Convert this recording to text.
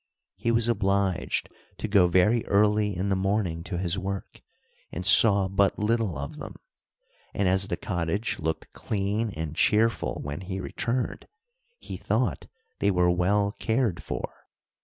He was obliged to go very early in the morning to his work, and saw but little of them, and as the cottage looked clean and cheerful when he returned, he thought they were well cared for.